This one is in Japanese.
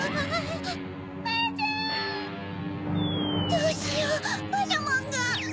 どうしようパジャマンが。